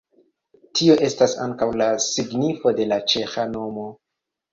Tio estas ankaŭ la signifo de la ĉeĥa nomo.